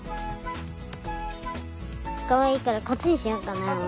かわいいからこっちにしようかな。